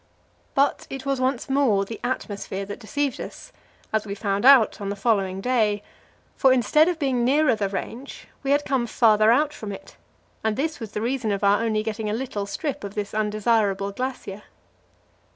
But it was once more the atmosphere that deceived us, as we found out on the following day, for instead of being nearer the range we had come farther out from it, and this was the reason of our only getting a little strip of this undesirable glacier.